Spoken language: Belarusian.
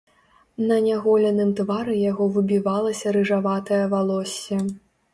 На няголеным твары яго выбівалася рыжаватае валоссе.